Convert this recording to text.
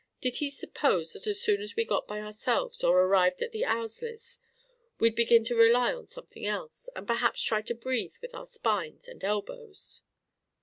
Did he suppose that as soon as we got by ourselves or arrived at the Ousleys', we'd begin to rely upon something else, and perhaps try to breathe with our spines and elbows?"